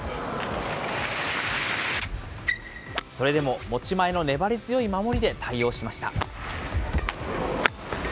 それでも、持ち前の粘り強い守りで、対応しました。